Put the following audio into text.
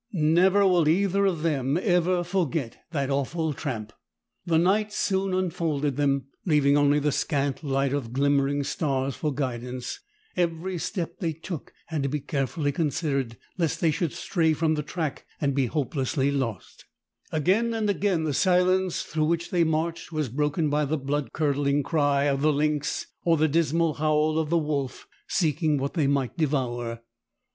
Never will either of them ever forget that awful tramp. The night soon enfolded them, leaving only the scant light of the glimmering stars for guidance. Every step they took had to be carefully considered, lest they should stray from the track and be hopelessly lost. Again and again the silence through which they marched was broken by the blood curdling cry of the lynx or the dismal howl of the wolf, seeking what they might devour.